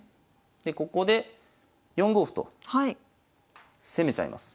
でここで４五歩と攻めちゃいます。